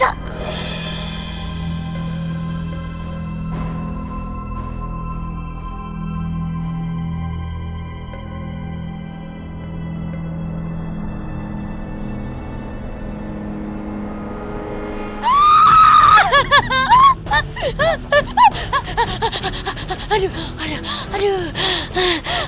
aduh aduh aduh